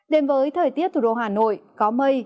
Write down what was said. đến với thời tiết thủ đô hà nội có mây